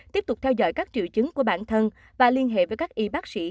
tiếp tục theo dõi các triệu chứng của bản thân và liên hệ với các y bác sĩ